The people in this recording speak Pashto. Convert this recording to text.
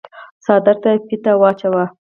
څادر ته فيته واچوه۔